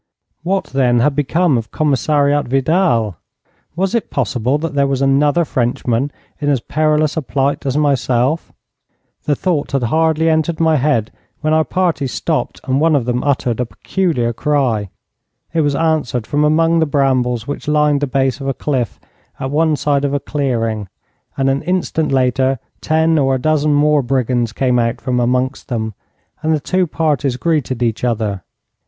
What, then, had become of Commissariat Vidal? Was it possible that there was another Frenchman in as perilous a plight as myself? The thought had hardly entered my head when our party stopped and one of them uttered a peculiar cry. It was answered from among the brambles which lined the base of a cliff at one side of a clearing, and an instant later ten or a dozen more brigands came out from amongst them, and the two parties greeted each other.